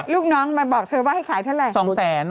ลูกน้องมาบอกเธอว่าให้ขายเท่าไหร่๒แสน